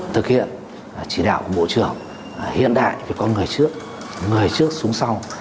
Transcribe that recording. thực hiện chỉ đạo của bộ trưởng hiện đại về con người trước người trước xuống sau